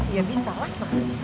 iya bisa lah gimana sih